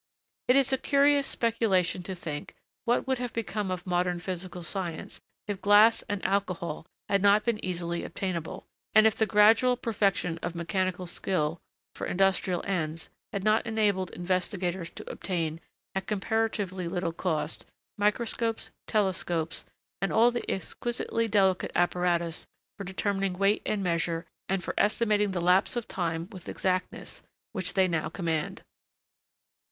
It is a curious speculation to think what would have become of modern physical science if glass and alcohol had not been easily obtainable; and if the gradual perfection of mechanical skill for industrial ends had not enabled investigators to obtain, at comparatively little cost, microscopes, telescopes, and all the exquisitely delicate apparatus for determining weight and measure and for estimating the lapse of time with exactness, which they now command.